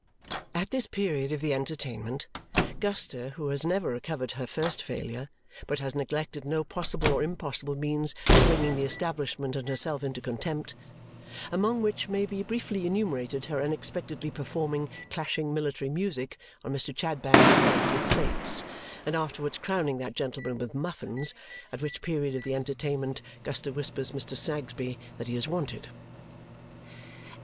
At this period of the entertainment, Guster, who has never recovered her first failure, but has neglected no possible or impossible means of bringing the establishment and herself into contempt among which may be briefly enumerated her unexpectedly performing clashing military music on Mr. Chadband's head with plates, and afterwards crowning that gentleman with muffins at which period of the entertainment, Guster whispers Mr. Snagsby that he is wanted.